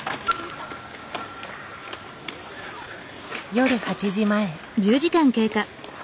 夜８時前。